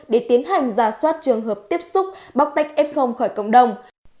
để tiến hành giả soát trường hợp tiếp xúc bóc tách f khỏi cộng đồng